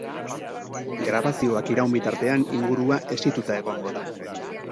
Grabazioak iraun bitartean ingurua hesituta egongo da.